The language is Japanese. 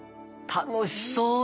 楽しそうね。